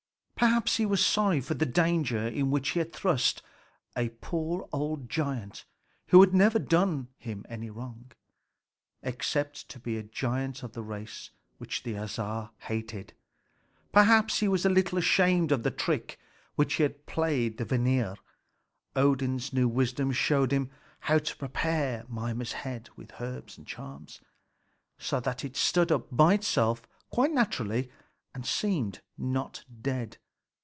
Perhaps he was sorry for the danger into which he had thrust a poor old giant who had never done him any wrong, except to be a giant of the race which the Æsir hated. Perhaps he was a little ashamed of the trick which he had played the Vanir. Odin's new wisdom showed him how to prepare Mimer's head with herbs and charms, so that it stood up by itself quite naturally and seemed not dead.